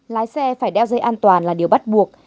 lái xe phải đeo dây an toàn là điều bắt buộc